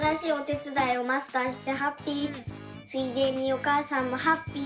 ついでにおかあさんもハッピー！